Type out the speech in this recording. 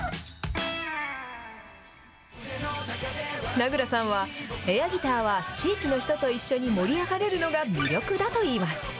名倉さんは、エアギターは地域の人と一緒に盛り上がれるのが魅力だといいます。